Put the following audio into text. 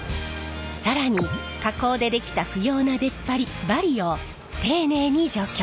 更に加工で出来た不要な出っ張りバリを丁寧に除去。